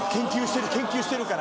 研究してるから。